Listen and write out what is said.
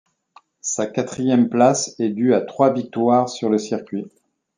Sa quatrième place est due à trois victoires sur le circuit.